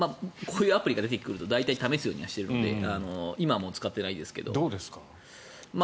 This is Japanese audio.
こういうアプリが出てくると大体試すようにしているんですけどどうですか？